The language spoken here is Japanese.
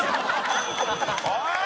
おい！